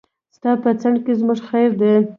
ستا په ځنډ کې زموږ خير دی.